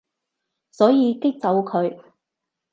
所以激走佢